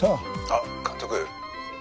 「あっ監督」